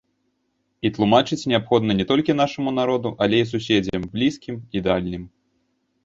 І тлумачыць неабходна не толькі нашаму народу, але і суседзям, блізкім і дальнім.